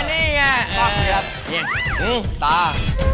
นี่ตา